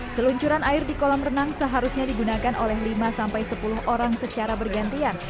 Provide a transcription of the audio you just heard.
seluncuran air di kolam renang seharusnya digunakan oleh lima sampai sepuluh orang secara bergantian